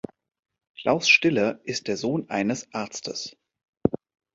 Klaus Stiller ist der Sohn eines Arztes.